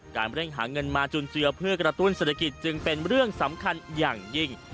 เร่งหาเงินมาจุนเจือเพื่อกระตุ้นเศรษฐกิจจึงเป็นเรื่องสำคัญอย่างยิ่ง